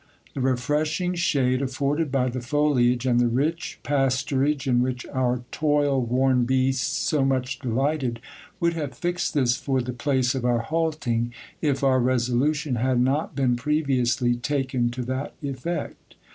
The refreshing shade afforded by the foliage, and the rich pasturage in which our toil worn beasts so much delighted, would have fixed this for the place of our halting, if our resolution had not been previouslv taken to that effect.